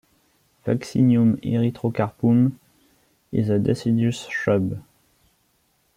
"Vaccinium erythrocarpum" is a deciduous shrub.